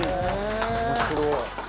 「面白い！」